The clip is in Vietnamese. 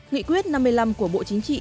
nghị quyết năm mươi năm của bộ chính trị